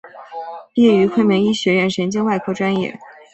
毕业于昆明医学院神经外科专业。